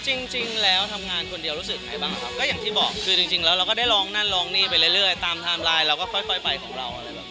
จริงแล้วทำงานคนเดียวรู้สึกไงบ้างครับก็อย่างที่บอกคือจริงแล้วเราก็ได้ร้องนั่นร้องนี่ไปเรื่อยตามไทม์ไลน์เราก็ค่อยไปของเราอะไรแบบ